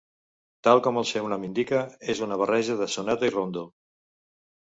Tal com el seu nom indica, és una barreja de sonata i rondó.